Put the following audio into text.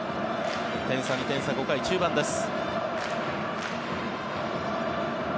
点差、２点差５回、中盤です。